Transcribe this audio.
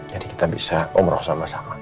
jadi kita bisa umroh sama sama